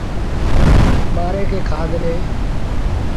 ٻآري کي کآڌ ڏي۔